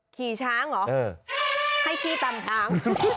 ขี่ช้างเหรอให้ขี่ตามช้าง